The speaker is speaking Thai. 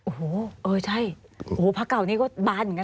โอโอ้โหเออใช่พักเก่าตอนนี้ก็บานจริงนะ